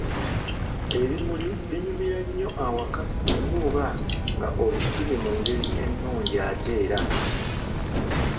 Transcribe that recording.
Ebimuli binyumira nnyo awaka singa oba nga obisimbye mu ngeri ennungi ate era